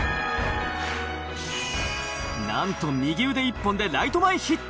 なんと右腕一本でライト前ヒット。